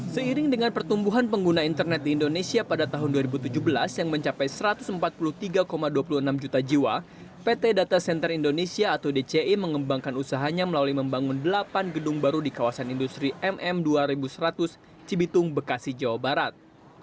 seiring dengan pertumbuhan pengguna internet di indonesia pada tahun dua ribu tujuh belas yang mencapai satu ratus empat puluh tiga dua puluh enam juta jiwa pt data center indonesia atau dce mengembangkan usahanya melalui membangun delapan gedung baru di kawasan industri mm dua ribu seratus cibitung bekasi jawa barat